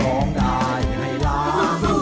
ร้องได้ให้ล้าน